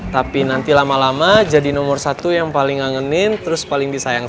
tapi nanti lama lama jadi nomor satu yang paling ngangenin terus paling disayangkan